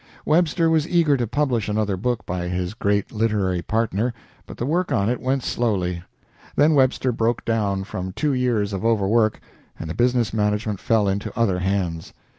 Webster was eager to publish another book by his great literary partner, but the work on it went slowly. Then Webster broke down from two years of overwork, and the business management fell into other hands.